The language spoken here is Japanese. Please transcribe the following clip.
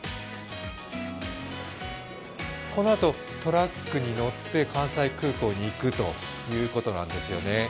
このあとトラックに乗って関西空港に行くということなんですね。